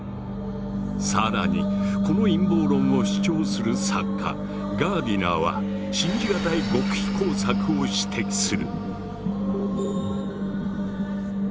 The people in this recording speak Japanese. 更にこの陰謀論を主張する作家ガーディナーは信じがたい極秘工作を指摘する。